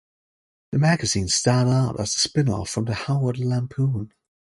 The magazine started out as a spinoff from the "Harvard Lampoon".